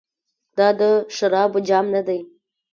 دا د شرابو جام ندی.